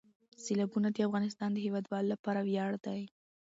سیلابونه د افغانستان د هیوادوالو لپاره ویاړ دی.